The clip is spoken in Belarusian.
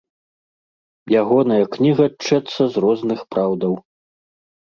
Ягоная кніга тчэцца з розных праўдаў.